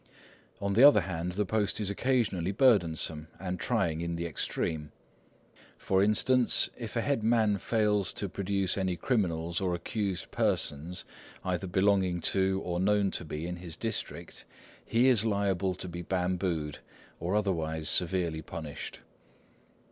On the other hand, the post is occasionally burdensome and trying in the extreme. For instance, if a head man fails to produce any criminals or accused persons, either belonging to, or known to be, in his district, he is liable to be bambooed or otherwise severely punished.